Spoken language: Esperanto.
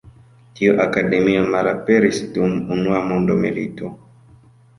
Tiu akademio malaperis dum Unua mondmilito.